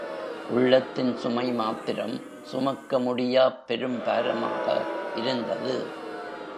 உள்ளத்தின் சுமை மாத்திரம் சுமக்க முடியாப் பெரும் பாரமாக இருந்தது.